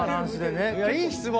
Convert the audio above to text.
いい質問！